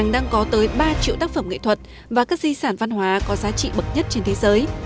đang có tới ba triệu tác phẩm nghệ thuật và các di sản văn hóa có giá trị bậc nhất trên thế giới